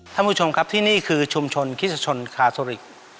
ท่านผู้ชมครับที่นี่คือชุมชนคริสชนคาโซริก